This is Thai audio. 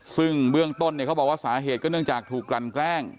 ซึ่งเบื้องต้นเนี่ยเขาบอกว่าสาเหตุก็เนื่องจากถูกกลั่นแกล้ง